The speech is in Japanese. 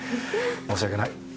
申し訳ない。